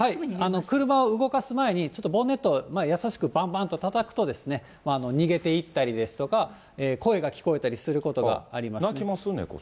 車を動かす前にちょっとボンネット、優しくバンバンとたたくと、逃げていったりですとか、声が聞こえたりすることがあります。